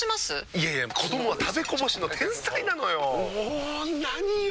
いやいや子どもは食べこぼしの天才なのよ。も何よ